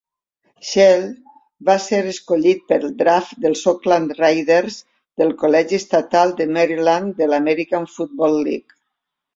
Shell va ser escollit al draft pels Oakland Raiders del Col·legi estatal de Maryland, de l'American Football League.